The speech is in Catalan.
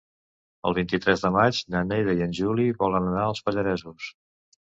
El vint-i-tres de maig na Neida i en Juli volen anar als Pallaresos.